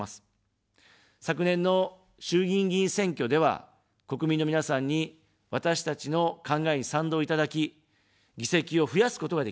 昨年の衆議院議員選挙では、国民の皆さんに、私たちの考えに賛同いただき、議席を増やすことができました。